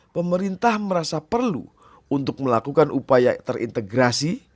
pemerintah merasa perlu untuk melakukan upaya terintegrasi